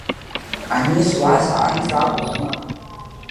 Ани зуаз анҭ ракәызма…